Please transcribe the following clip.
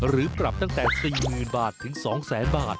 หรือปรับตั้งแต่๔๐๐๐บาทถึง๒๐๐๐บาท